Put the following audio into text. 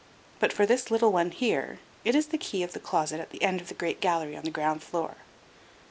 But for this little one here, it is the key of the closet at the end of the great gallery on the ground floor.